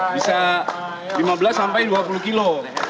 bisa lima belas sampai dua puluh kilo